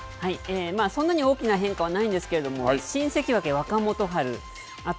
そんなに大きな変化はないんですけれども新関脇、若元春あと